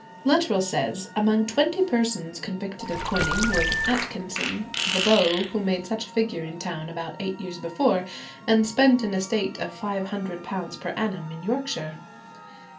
Luttrell says, among twenty persons convicted of coining was Atkinson, the beau who made such a figure in town about eight years before, and spent an estate of £500 per annum in Yorkshire.